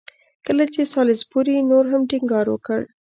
کله چې سالیزبوري نور هم ټینګار وکړ.